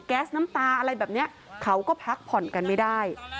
แก๊สน้ำตาอะไรแบบนี้เขาก็พักผ่อนกันไม่ได้